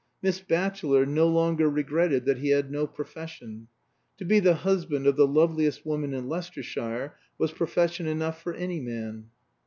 Miss Batchelor no longer regretted that he had no profession. To be the husband of the loveliest woman in Leicestershire was profession enough for any man.